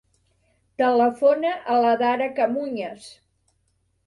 Telefona a l'Adara Camuñas.